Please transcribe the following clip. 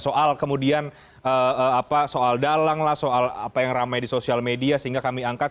soal kemudian soal dalang lah soal apa yang ramai di sosial media sehingga kami angkat